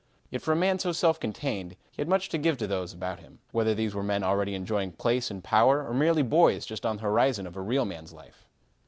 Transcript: Yet, for a man so self contained, he had much to give to those about him, whether these were men already enjoying place and power or merely boys just on the horizon of a real man's life.